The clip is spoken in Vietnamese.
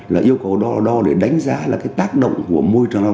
là yêu cầu đo đo để đánh giá là cái tác động của môi trường